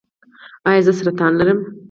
ایا زه سرطان لرم؟